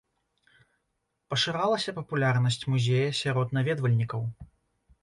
Пашыралася папулярнасць музея сярод наведвальнікаў.